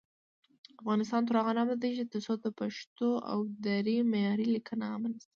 افغانستان تر هغو نه ابادیږي، ترڅو د پښتو او دري معیاري لیکنه عامه نشي.